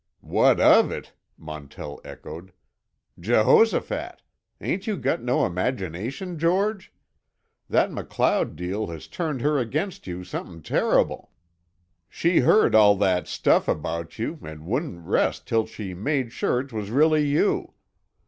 "What of it?" Montell echoed. "Jehosophat! Ain't you got no imagination, George? That MacLeod deal has turned her against you somethin' terrible. She heard all that stuff about you, an' wouldn't rest till she made sure 'twas really you.